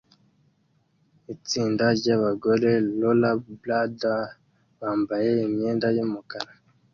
Itsinda ryabagore rollerbladers bambaye imyenda yumukara